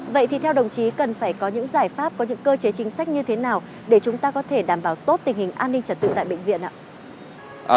vậy thì theo đồng chí cần phải có những giải pháp có những cơ chế chính sách như thế nào để chúng ta có thể đảm bảo tốt tình hình an ninh trật tự tại bệnh viện ạ